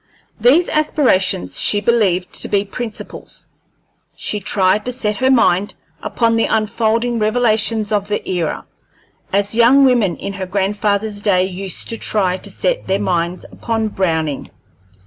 These aspirations she believed to be principles. She tried to set her mind upon the unfolding revelations of the era, as young women in her grandfather's day used to try to set their minds upon Browning.